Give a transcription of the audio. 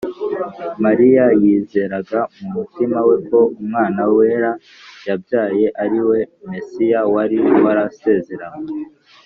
Mariya yizeraga mu mutima we ko umwana wera yabyaye ariwe Mesiya wari warasezeranywe